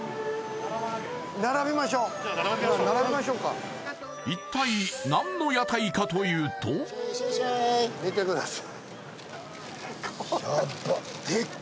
並びましょう並びましょうか一体何の屋台かというと見てください